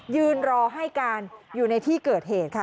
ยืนรอให้การอยู่ในที่เกิดเหตุค่ะ